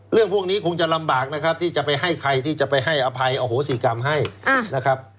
เรื่องพวกนี้คงจะลำบากนะครับที่จะไปให้ใครที่จะไปให้อภัยอโหสิกรรมให้นะครับ